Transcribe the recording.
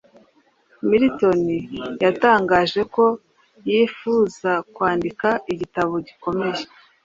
Milton yatangaje ko yifuza kwandika igitabo gikomeye